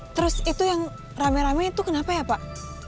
terus itu yang rame rame itu kenapa ya pak